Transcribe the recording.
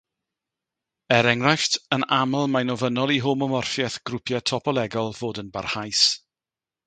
Er enghraifft, yn aml mae'n ofynnol i homomorffiaeth grwpiau topolegol fod yn barhaus.